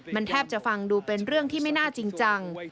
มันแทบจะฟังดูเป็นเรื่องที่ไม่น่าจริงจัง